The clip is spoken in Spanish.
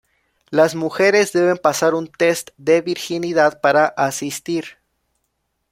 Las mujeres deben pasar un test de virginidad para asistir.